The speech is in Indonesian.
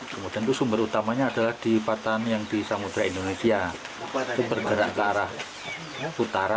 kemudian itu sumber utamanya adalah di patan yang di samudera indonesia itu bergerak ke arah utara